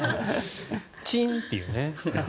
チン！っていうね。